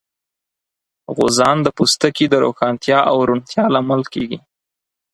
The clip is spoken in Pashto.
غوزان د پوستکي د روښانتیا او روڼتیا لامل کېږي.